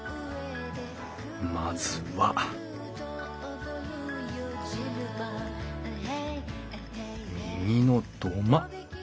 まずは右の土間。